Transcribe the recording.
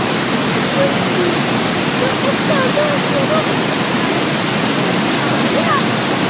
Spuļģīt! Nu, es tev došu rubuli. Aizvedīsi mani mājās?